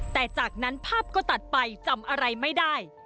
แต่จากนั้นภาพก็ตัดไปจำอะไรไม่ได้